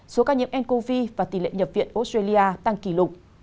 số ca nhiễm ncov và tỷ lệ nhập viện australia tăng kỷ lục